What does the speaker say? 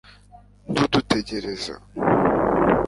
ntudutegereze